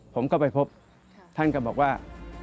ผมก็ไปพบท่านก็บอกว่า